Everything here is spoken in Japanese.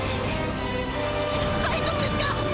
大丈夫ですか！